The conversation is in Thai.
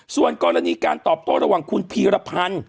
ส่วนกรณีการตอบโต้ระหว่างคุณพีรพันธ์